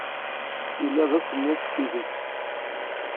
Yella d asemmiḍ s tidet.